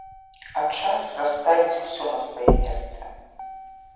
А час расставіць усё на свае месцы.